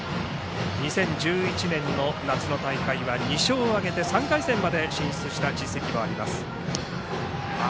２０１１年の夏の大会は２勝を挙げて３回戦まで進出した実績もあります。